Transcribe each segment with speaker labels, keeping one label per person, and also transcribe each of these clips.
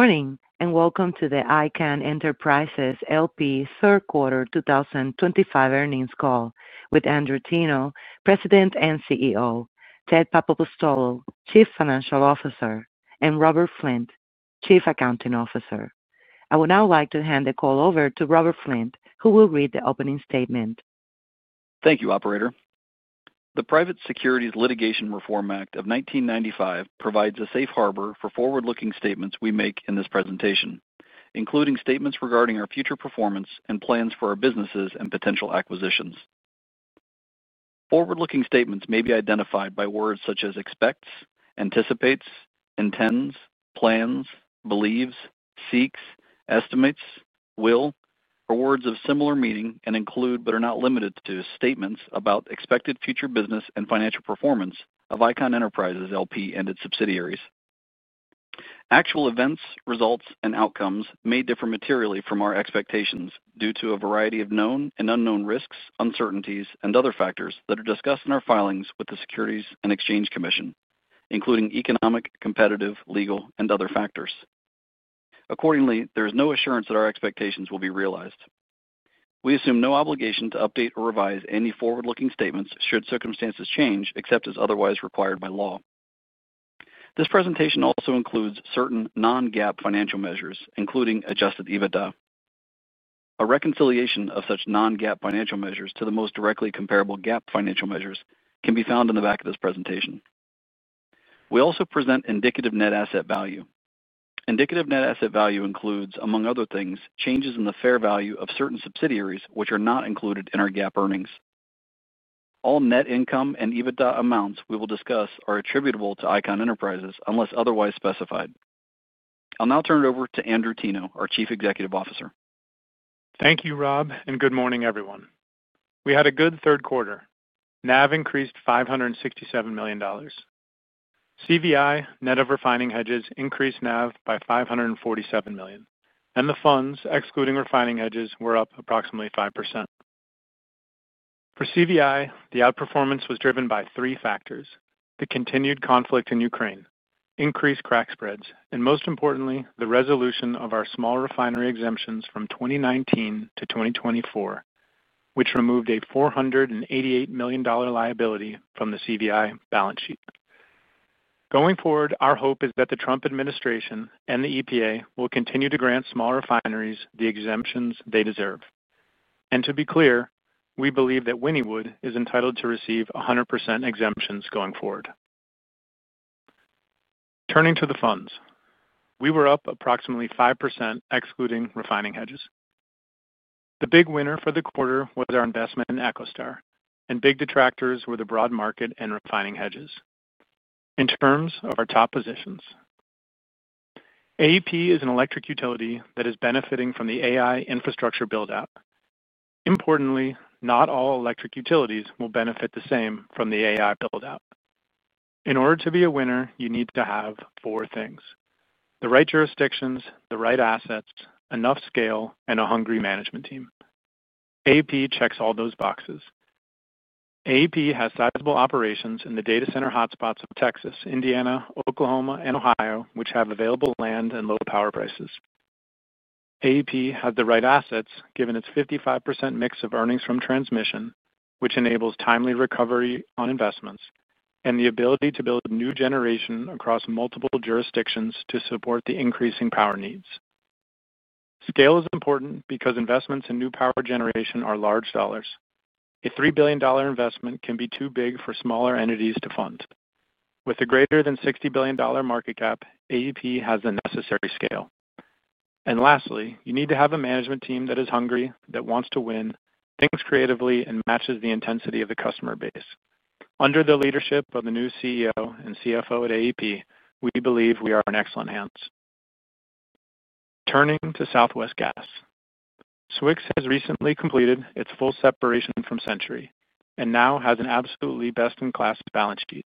Speaker 1: Morning and welcome to the Icahn Enterprises L.P. third quarter 2025 earnings call with Andrew Teno, President and CEO, Ted Papapostolou, Chief Financial Officer, and Robert Flint, Chief Accounting Officer. I would now like to hand the call over to Robert Flint, who will read the opening statement.
Speaker 2: Thank you, Operator. The Private Securities Litigation Reform Act of 1995 provides a safe harbor for forward-looking statements we make in this presentation, including statements regarding our future performance and plans for our businesses and potential acquisitions. Forward-looking statements may be identified by words such as expects, anticipates, intends, plans, believes, seeks, estimates, will, or words of similar meaning and include but are not limited to statements about expected future business and financial performance of Icahn Enterprises L.P. and its subsidiaries. Actual events, results, and outcomes may differ materially from our expectations due to a variety of known and unknown risks, uncertainties, and other factors that are discussed in our filings with the Securities and Exchange Commission, including economic, competitive, legal, and other factors. Accordingly, there is no assurance that our expectations will be realized. We assume no obligation to update or revise any forward-looking statements should circumstances change except as otherwise required by law. This presentation also includes certain non-GAAP financial measures, including adjusted EBITDA. A reconciliation of such non-GAAP financial measures to the most directly comparable GAAP financial measures can be found in the back of this presentation. We also present indicative net asset value. Indicative net asset value includes, among other things, changes in the fair value of certain subsidiaries which are not included in our GAAP earnings. All net income and EBITDA amounts we will discuss are attributable to Icahn Enterprises unless otherwise specified. I'll now turn it over to Andrew Teno, our Chief Executive Officer.
Speaker 3: Thank you, Rob, and good morning, everyone. We had a good third quarter. NAV increased $567 million. CVI, net of refining hedges, increased NAV by $547 million, and the funds, excluding refining hedges, were up approximately 5%. For CVI, the outperformance was driven by three factors: the continued conflict in Ukraine, increased crack spreads, and most importantly, the resolution of our small refinery exemptions from 2019 to 2024, which removed a $488 million liability from the CVI balance sheet. Going forward, our hope is that the Trump administration and the EPA will continue to grant small refineries the exemptions they deserve. To be clear, we believe that Wynnewood is entitled to receive 100% exemptions going forward. Turning to the funds, we were up approximately 5%, excluding refining hedges. The big winner for the quarter was our investment in EchoStar, and big detractors were the broad market and refining hedges. In terms of our top positions. AEP is an electric utility that is benefiting from the AI infrastructure build-out. Importantly, not all electric utilities will benefit the same from the AI build-out. In order to be a winner, you need to have four things: the right jurisdictions, the right assets, enough scale, and a hungry management team. AEP checks all those boxes. AEP has sizable operations in the data center hotspots of Texas, Indiana, Oklahoma, and Ohio, which have available land and low power prices. AEP has the right assets given its 55% mix of earnings from transmission, which enables timely recovery on investments and the ability to build new generation across multiple jurisdictions to support the increasing power needs. Scale is important because investments in new power generation are large dollars. A $3 billion investment can be too big for smaller entities to fund. With a greater than $60 billion market cap, AEP has the necessary scale. Lastly, you need to have a management team that is hungry, that wants to win, thinks creatively, and matches the intensity of the customer base. Under the leadership of the new CEO and CFO at AEP, we believe we are in excellent hands. Turning to Southwest Gas. SWX has recently completed its full separation from Centuri and now has an absolutely best-in-class balance sheet.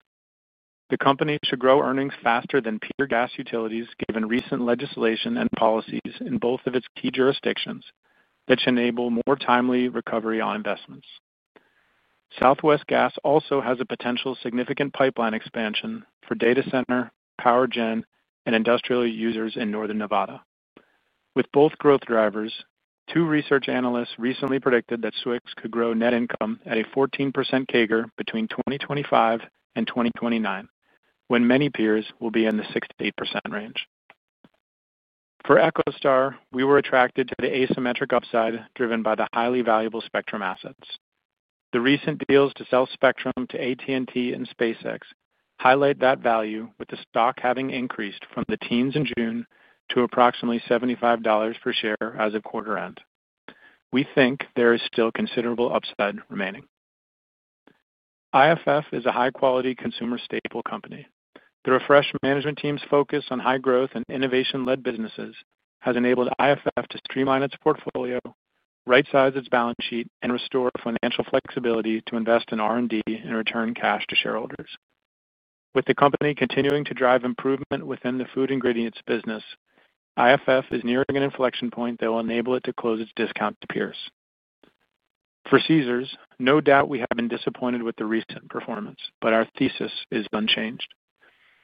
Speaker 3: The company should grow earnings faster than peer gas utilities given recent legislation and policies in both of its key jurisdictions that should enable more timely recovery on investments. Southwest Gas also has the potential of significant pipeline expansion for data center, power gen, and industrial users in Northern Nevada. With both growth drivers, two research analysts recently predicted that SWX could grow net income at a 14% CAGR between 2025 and 2029, when many peers will be in the 6%-8% range. For EchoStar, we were attracted to the asymmetric upside driven by the highly valuable spectrum assets. The recent deals to sell spectrum to AT&T and SpaceX highlight that value, with the stock having increased from the teens in June to approximately $75 per share as of quarter end. We think there is still considerable upside remaining. IFF is a high-quality consumer staple company. The refreshed management team's focus on high growth and innovation-led businesses has enabled IFF to streamline its portfolio, right-size its balance sheet, and restore financial flexibility to invest in R&D and return cash to shareholders. With the company continuing to drive improvement within the food ingredients business. IFF is nearing an inflection point that will enable it to close its discount to peers. For Caesars, no doubt we have been disappointed with the recent performance, but our thesis is unchanged.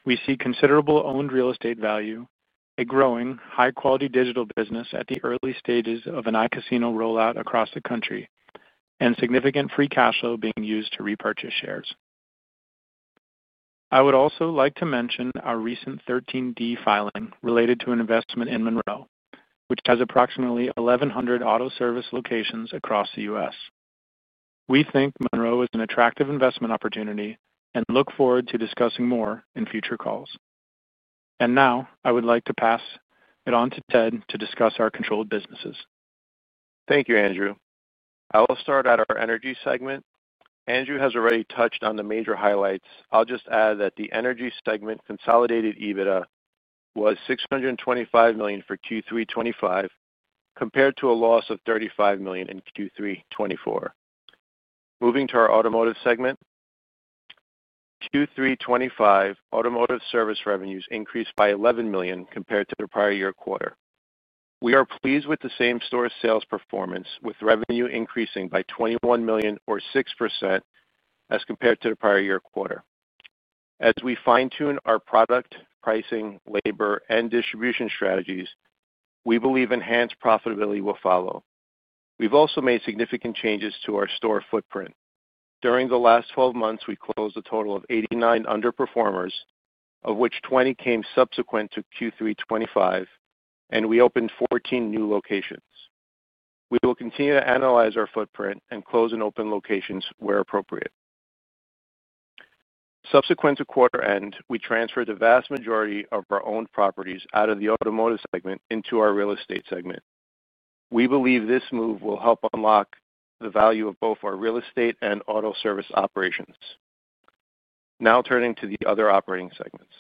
Speaker 3: We see considerable owned real estate value, a growing, high-quality digital business at the early stages of an Icahn roll-out across the country, and significant free cash flow being used to repurchase shares. I would also like to mention our recent 13-D filing related to an investment in Monro, which has approximately 1,100 auto service locations across the U.S. We think Monro is an attractive investment opportunity and look forward to discussing more in future calls. I would like to pass it on to Ted to discuss our controlled businesses.
Speaker 4: Thank you, Andrew. I will start at our energy segment. Andrew has already touched on the major highlights. I'll just add that the energy segment consolidated EBITDA was $625 million for Q3 2025, compared to a loss of $35 million in Q3 2024. Moving to our automotive segment. Q3 2025 automotive service revenues increased by $11 million compared to the prior year quarter. We are pleased with the same store sales performance, with revenue increasing by $21 million, or 6%, as compared to the prior year quarter. As we fine-tune our product, pricing, labor, and distribution strategies, we believe enhanced profitability will follow. We've also made significant changes to our store footprint. During the last 12 months, we closed a total of 89 underperformers, of which 20 came subsequent to Q3 2025, and we opened 14 new locations. We will continue to analyze our footprint and close and open locations where appropriate. Subsequent to quarter end, we transferred the vast majority of our owned properties out of the automotive segment into our real estate segment. We believe this move will help unlock the value of both our real estate and auto service operations. Now, turning to the other operating segments.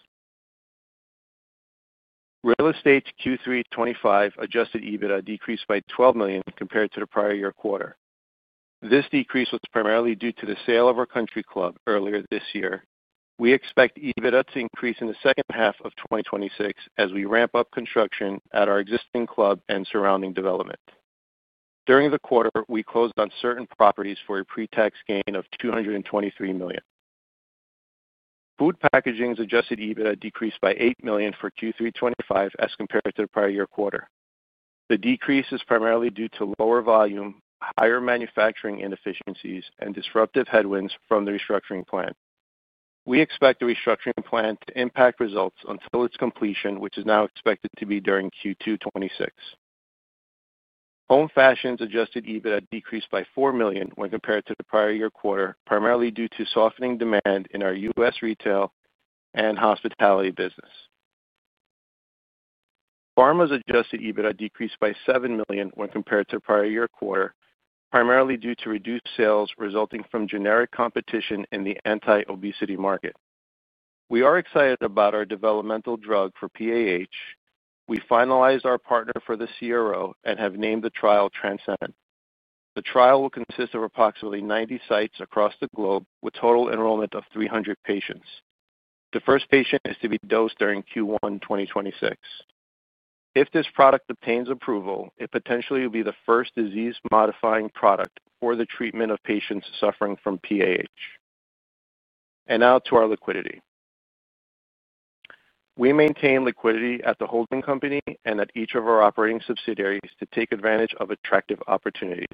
Speaker 4: Real estate Q3 2025 adjusted EBITDA decreased by $12 million compared to the prior year quarter. This decrease was primarily due to the sale of our country club earlier this year. We expect EBITDA to increase in the second half of 2026 as we ramp up construction at our existing club and surrounding development. During the quarter, we closed on certain properties for a pre-tax gain of $223 million. Food packaging's adjusted EBITDA decreased by $8 million for Q3 2025 as compared to the prior year quarter. The decrease is primarily due to lower volume, higher manufacturing inefficiencies, and disruptive headwinds from the restructuring plan. We expect the restructuring plan to impact results until its completion, which is now expected to be during Q2 2026. Home fashion's adjusted EBITDA decreased by $4 million when compared to the prior year quarter, primarily due to softening demand in our U.S. retail and hospitality business. Pharma's adjusted EBITDA decreased by $7 million when compared to the prior year quarter, primarily due to reduced sales resulting from generic competition in the anti-obesity market. We are excited about our developmental drug for PAH. We finalized our partner for the CRO and have named the trial TRANSCEND. The trial will consist of approximately 90 sites across the globe with a total enrollment of 300 patients. The first patient is to be dosed during Q1 2026. If this product obtains approval, it potentially will be the first disease-modifying product for the treatment of patients suffering from PAH. Now to our liquidity. We maintain liquidity at the holding company and at each of our operating subsidiaries to take advantage of attractive opportunities.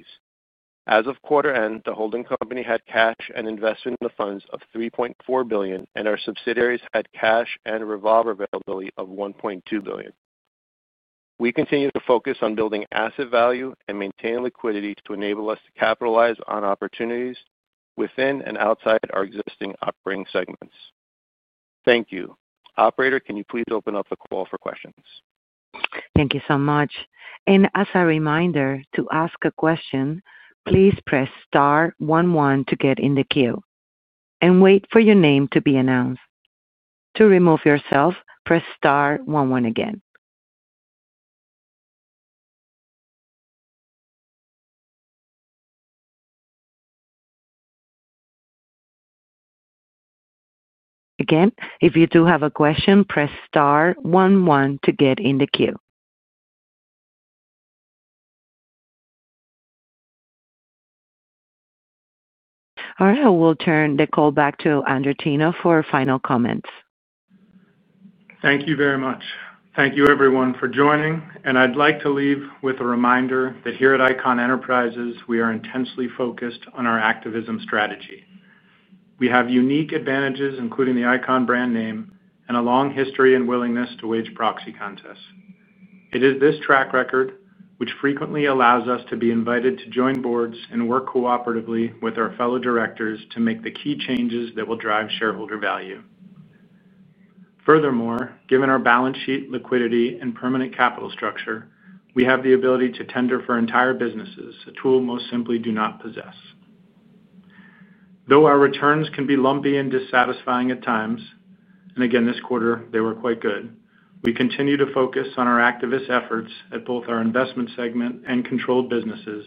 Speaker 4: As of quarter end, the holding company had cash and invested in the funds of $3.4 billion, and our subsidiaries had cash and revolver availability of $1.2 billion. We continue to focus on building asset value and maintain liquidity to enable us to capitalize on opportunities within and outside our existing operating segments. Thank you. Operator, can you please open up the call for questions?
Speaker 1: Thank you so much. As a reminder, to ask a question, please press Star 11 to get in the queue and wait for your name to be announced. To remove yourself, press Star 11 again. Again, if you do have a question, press Star 11 to get in the queue. All right, I will turn the call back to Andrew Teno for final comments.
Speaker 3: Thank you very much. Thank you, everyone, for joining. I would like to leave with a reminder that here at Icahn Enterprises, we are intensely focused on our activism strategy. We have unique advantages, including the Icahn brand name and a long history and willingness to wage proxy contests. It is this track record which frequently allows us to be invited to join boards and work cooperatively with our fellow directors to make the key changes that will drive shareholder value. Furthermore, given our balance sheet, liquidity, and permanent capital structure, we have the ability to tender for entire businesses, a tool most simply do not possess. Though our returns can be lumpy and dissatisfying at times, and again, this quarter, they were quite good, we continue to focus on our activist efforts at both our investment segment and controlled businesses,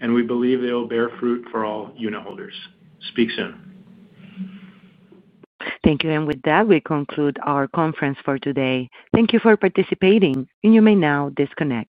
Speaker 3: and we believe they will bear fruit for all unit holders. Speak soon.
Speaker 1: Thank you. With that, we conclude our conference for today. Thank you for participating, and you may now disconnect.